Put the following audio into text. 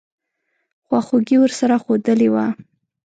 خواخوږي ورسره ښودلې وه.